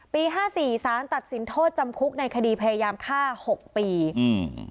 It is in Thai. ห้าสี่สารตัดสินโทษจำคุกในคดีพยายามฆ่าหกปีอืม